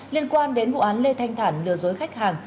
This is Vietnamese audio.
liên quan đến vụ án lê thanh thản lừa dối khách hàng